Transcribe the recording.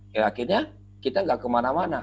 ya akhirnya kita gak kemana mana